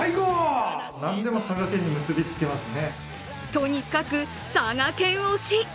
とにかく佐賀県推し。